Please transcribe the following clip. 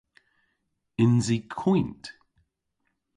Yns i koynt?